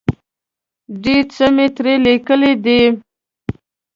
ډېر څه مې ترې لیکلي دي.